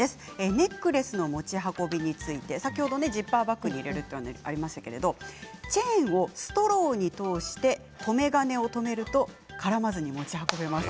ネックレスの持ち運びについてジッパーバッグに入れるとお伝えしましたがチェーンをストローに通して留め金を留めると絡まずに持ち運べます。